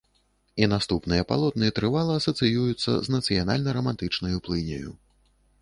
І наступныя палотны трывала асацыююцца з нацыянальна-рамантычнаю плыняю.